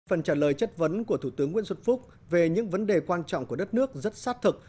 phần trả lời chất vấn của thủ tướng nguyễn xuân phúc về những vấn đề quan trọng của đất nước rất sát thực